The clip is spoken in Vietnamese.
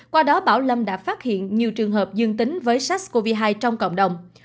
qua đó bảo lâm đã phát hiện nhiều trường hợp dương tính với sars cov hai trong cộng đồng